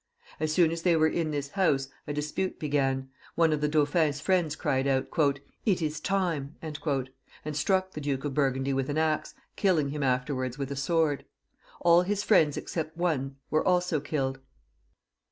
As soon as they were in this house, a dispute began ; one of the Dauphin's friends cried out, " It is time !" and struck the Duke of Burgundy with an axe, killing him afterwards with a sword. All his friends except one were also killed.